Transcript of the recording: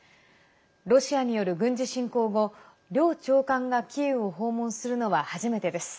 ロシアによる軍事侵攻後両長官がキーウを訪問するのは初めてです。